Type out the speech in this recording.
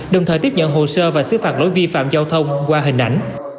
đồng thời tiếp nhận hồ sơ và xứ phạt lỗi vi phạm giao thông qua hình ảnh